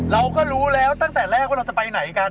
เราก็รู้แล้วตั้งแต่แรกว่าเราจะไปไหนกัน